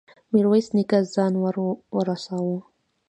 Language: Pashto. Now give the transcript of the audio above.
ميرويس نيکه ځان ور ورساوه.